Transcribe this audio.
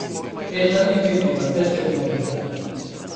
É tan difícil manterse como empezar.